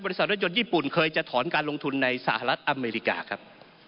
รถยนต์ญี่ปุ่นเคยจะถอนการลงทุนในสหรัฐอเมริกาครับ